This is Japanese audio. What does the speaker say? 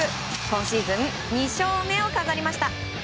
今シーズン２勝目を飾りました。